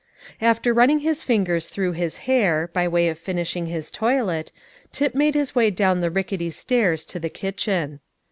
After running his fingers through his hair, by way of finishing his toilet, Tip made his way down the rickety stairs to the kitchen.